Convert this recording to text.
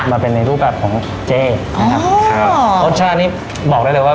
สวัสดีค่ะสวัสดีค่ะสวัสดีค่ะสวัสดีค่ะ